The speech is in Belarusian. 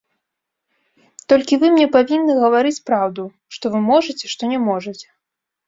Толькі вы мне павінны гаварыць праўду, што вы можаце, што не можаце.